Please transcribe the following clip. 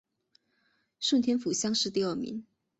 顺天府乡试第二名。